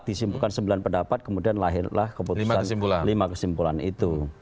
disimpulkan sembilan pendapat kemudian lahirlah keputusan lima kesimpulan itu